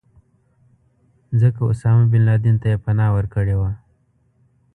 ځکه اسامه بن لادن ته یې پناه ورکړې وه.